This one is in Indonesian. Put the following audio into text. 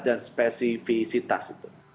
dan spesifisitas itu